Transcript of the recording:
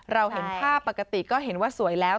เราเห็นภาพปกติก็เห็นว่าสวยแล้ว